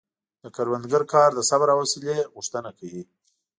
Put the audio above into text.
د کروندګر کار د صبر او حوصلې غوښتنه کوي.